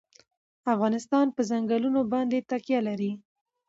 افغانستان په چنګلونه باندې تکیه لري.